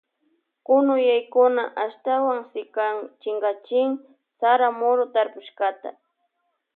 Kunuyaykuna ashtawan sikan chinkachin sara muru tarpushkata.